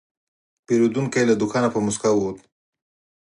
پیرودونکی له دوکانه په موسکا ووت.